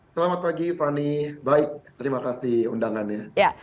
selamat pagi fani baik terima kasih undangannya